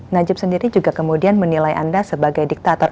najib sendiri juga kemudian menilai anda sebagai diktator